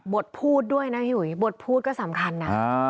พูดด้วยนะพี่หุยบทพูดก็สำคัญนะ